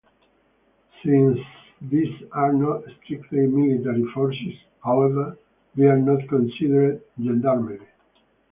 Since these are not strictly military forces, however, they are not considered gendarmerie.